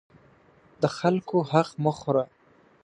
د خلکو حق مه خوره.